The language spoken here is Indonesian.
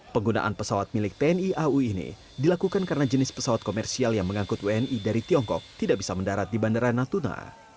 penggunaan pesawat milik tni au ini dilakukan karena jenis pesawat komersial yang mengangkut wni dari tiongkok tidak bisa mendarat di bandara natuna